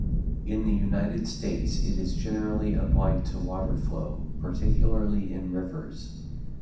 In the United States it is generally applied to water flow, particularly in rivers.